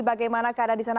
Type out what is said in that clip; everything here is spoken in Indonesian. bagaimana keadaan di sana